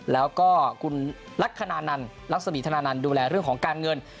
แล้วก็คุณลักษณะนันลักษมีธนานันต์ดูแลเรื่องของการเงิน